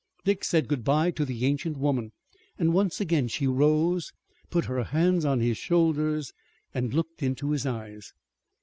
Dick said good bye to the ancient woman and once again she rose, put her hands on his shoulders and looked into his eyes.